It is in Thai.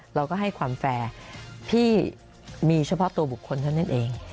เราก็ให้ความแฟร์พี่มีเฉพาะตัวบุคคลเท่านั้นเอง